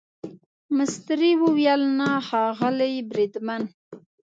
مستري وویل نه ښاغلی بریدمن.